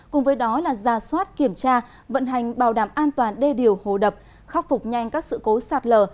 cùng với đó là ra soát kiểm tra vận hành bảo đảm an toàn đê điều hồ đập khắc phục nhanh các sự cố sạt lở